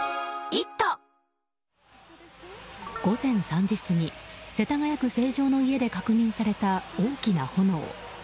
午前３時過ぎ世田谷区成城の家で確認された大きな炎。